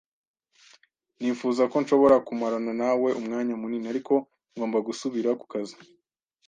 Nifuza ko nshobora kumarana nawe umwanya munini, ariko ngomba gusubira ku kazi.